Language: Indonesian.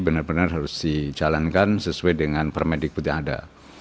benar benar harus dijalankan sesuai dengan permendikbud yang ada